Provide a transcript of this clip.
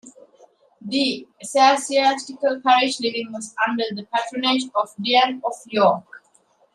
The eccesiastical parish living was under the patronage of the Dean of York.